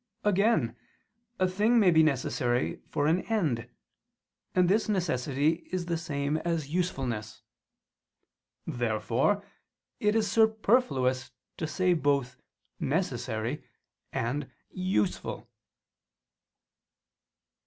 Again a thing may be necessary for an end: and this necessity is the same as usefulness. Therefore it is superfluous to say both "necessary" and "useful."